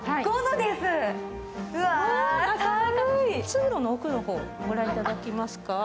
通路の奥の方、ご覧いただけますか。